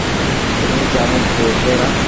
তুমি জানো কে সেরা?